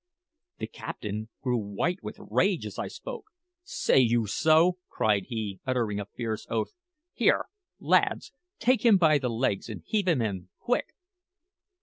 The pirate captain grew white with rage as I spoke. "Say you so?" cried he, uttering a fierce oath. "Here, lads, take him by the legs and heave him in quick!"